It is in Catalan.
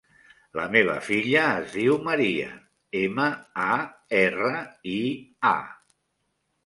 La meva filla es diu Maria: ema, a, erra, i, a.